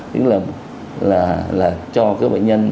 tức là cho các bệnh nhân